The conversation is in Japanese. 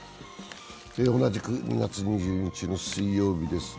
同じく２月２２日の水曜日です。